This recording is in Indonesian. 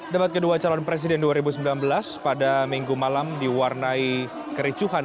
debat kedua calon presiden dua ribu sembilan belas pada minggu malam diwarnai kericuhan